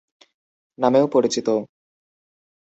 নামেও পরিচিত।